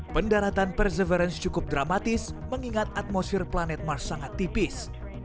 pendaratan perseverance cukup dramatis mengingat atmosfer planet mars sangat tipis